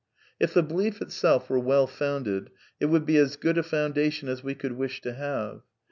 If the belief itself were well founded it would be as good a foundation as we could wish to have.